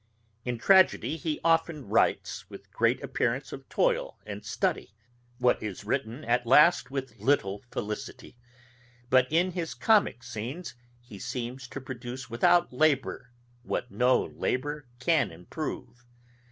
In tragedy he often writes, with great appearance of toil and study, what is written at last with little felicity; but in his comick scenes, he seems to produce without labour what no labour can improve.